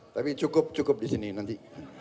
tapi cukup cukup disini nanti